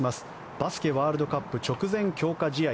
バスケワールドカップ直前強化試合。